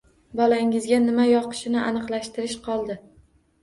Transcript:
Bolangizga nima yoqishini aniqlashtirish qoldi.